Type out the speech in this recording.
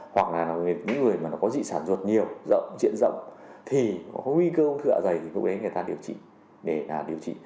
hoặc là những người mà nó có dị sản ruột nhiều diện rộng thì có nguy cơ không thựa dày thì lúc đấy người ta điều trị